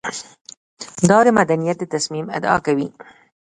او د مدنيت د تصميم ادعا کوي.